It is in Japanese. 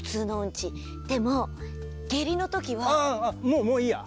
もうもういいや。